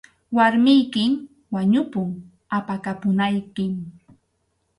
Warmiykim wañupun, apakapunaykim.